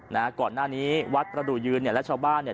นะฮะก่อนหน้านี้วัดประดูกยืนเนี่ยและชาวบ้านเนี่ย